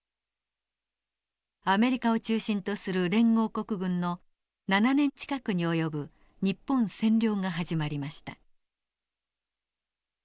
アメリカを中心とする連合国軍の７年近くに及ぶ日本占領が始まりました。